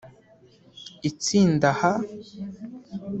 Itsinda H